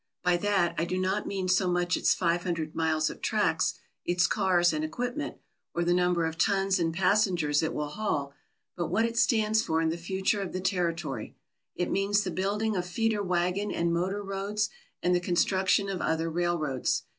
By that I do not mean so much its five hundred miles of tracks, its cars and equip ment, or the number of tons and passengers it will haul, but what it stands for in the future of the terri tory. It means the building of feeder wagon and motor roads and the construction of other railroads.